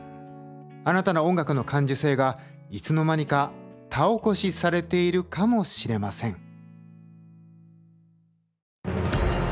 あなたの音楽の感受性がいつの間にか田起こしされているかもしれません。